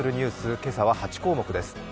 今朝は８項目です。